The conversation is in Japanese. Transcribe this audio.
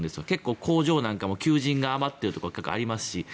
結構、工場なんかも求人が余っているところがありますし。